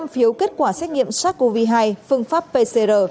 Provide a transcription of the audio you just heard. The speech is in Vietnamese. một mươi năm phiếu kết quả xét nghiệm test nhanh covid một mươi chín